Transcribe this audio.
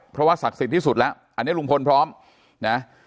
เพราะว่าศักดิ์สิทธิ์ที่สุดแล้วอันนี้ลุงพลพร้อมนะ